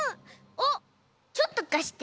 あっちょっとかして！